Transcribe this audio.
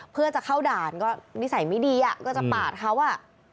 เพื่อจะเข้าด่านก็นิสัยไม่ดีอ่ะก็จะปาดเขาอ่ะ